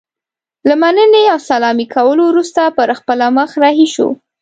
له مننې او سلامي کولو وروسته پر خپله مخه رهي شو.